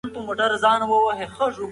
کلاسیک شعر د تاریخ په اوږدو کې پاتې شوی دی.